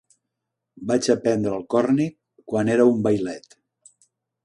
Vaig aprendre el còrnic quan era un vailet.